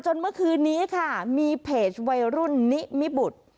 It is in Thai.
เมื่อคืนนี้ค่ะมีเพจวัยรุ่นนิมิบุตร